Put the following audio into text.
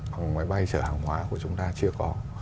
hoặc máy bay chở hàng hóa của chúng ta chưa có